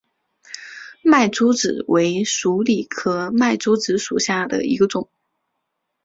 麦珠子为鼠李科麦珠子属下的一个种。